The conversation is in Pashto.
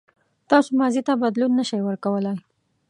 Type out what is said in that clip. تاسو ماضي ته بدلون نه شئ ورکولای.